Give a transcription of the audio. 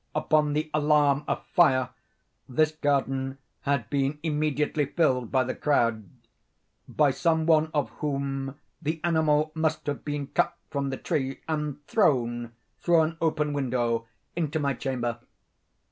Upon the alarm of fire, this garden had been immediately filled by the crowd—by some one of whom the animal must have been cut from the tree and thrown, through an open window, into my chamber.